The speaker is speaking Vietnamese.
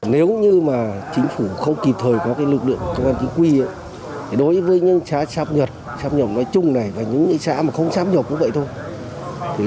nếu như mà chính phủ không kịp thời có cái lực lượng công an chính quy đối với những xã xáp nhập xáp nhập nói chung này và những xã mà không xáp nhập cũng vậy thôi